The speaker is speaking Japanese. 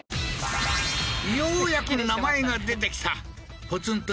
ようやく名前が出てきたポツンと